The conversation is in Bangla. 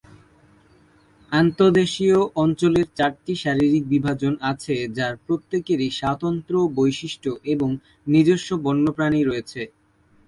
আন্তঃদেশীয় অঞ্চলের চারটি শারীরিক বিভাজন আছে যার প্রত্যেকেরই স্বতন্ত্র বৈশিষ্ট্য এবং নিজস্ব বন্যপ্রাণী রয়েছে।